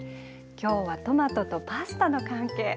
今日はトマトとパスタの関係。